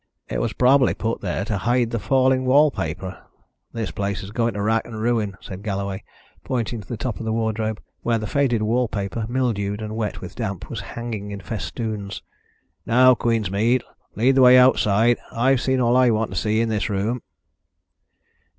"It was probably put there to hide the falling wall paper, the place is going to rack and ruin," said Galloway, pointing to the top of the wardrobe, where the faded wall paper, mildewed and wet with damp, was hanging in festoons. "Now, Queensmead, lead the way outside. I've seen all I want to see in this room."